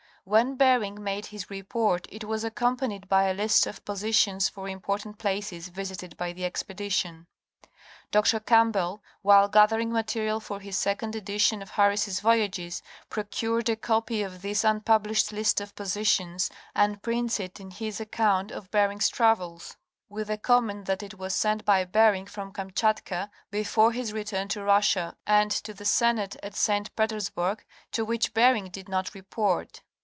When Bering made his report it was accompanied by a list of posi tions for important places visited by the Expedition. Dr. Campbell, while gathering material for his second edition of Harris' Voyages, procured a copy of this unpublished list of positions and prints it in his account of Bering's travels, with the comment that 120 National Geographic Magazine. it was sent by Bering from Kamchatka, before his return to Russia, and to the Senate at St. Petersburg, to which Bering did not report.